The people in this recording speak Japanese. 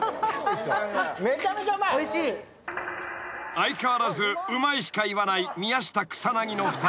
［相変わらずうまいしか言わない宮下草薙の２人］